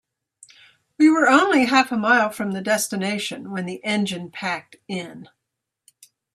We were only half a mile from the destination when the engine packed in.